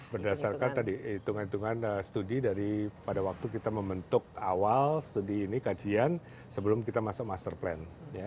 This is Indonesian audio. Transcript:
berdasarkan tadi hitungan hitungan studi dari pada waktu kita membentuk awal studi ini kajian sebelum kita masuk master plan